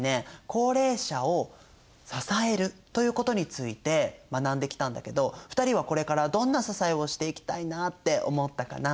「高齢者を支える」ということについて学んできたんだけど２人はこれからどんな支えをしていきたいなって思ったかな？